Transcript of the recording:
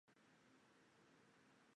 无法摆脱悲哀的命运